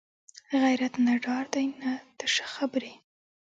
غیرت نه ډار دی نه تشه خبرې